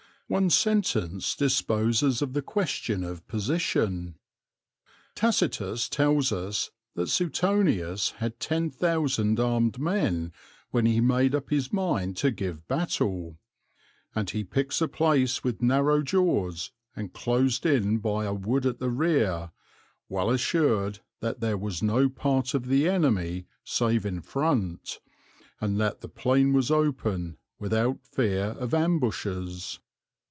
One sentence disposes of the question of position. Tacitus tells us that Suetonius had ten thousand armed men when he made up his mind to give battle, "and he picks a place with narrow jaws and closed in by a wood at the rear, well assured that there was no part of the enemy save in the front, and that the plain was open, without fear of ambushes."